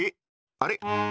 あれ？